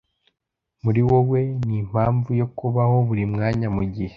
muri wowe nimpamvu yo kubaho buri mwanya mugihe